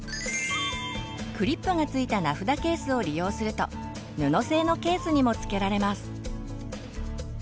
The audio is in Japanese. クリップがついた名札ケースを利用すると布製のケースにもつけられます。